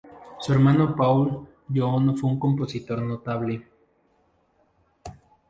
Su hermano Paul Juon fue un compositor notable.